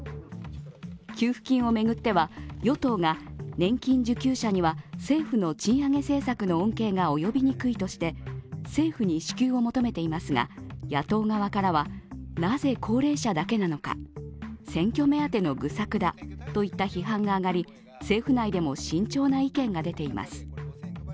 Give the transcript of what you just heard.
給付金を巡っては、与党が年金受給者には政府の賃上げ政策の恩恵が及びにくいとして政府に支給を求めていますが、野党側からはなぜ高齢者だけなのか、選挙目当ての愚策だなどといった批判が上がり政府内でも慎重な意見が出ています。